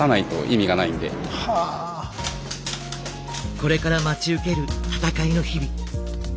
これから待ち受ける戦いの日々。